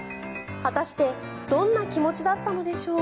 果たしてどんな気持ちだったのでしょう。